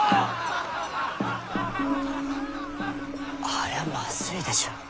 あれはまずいでしょ。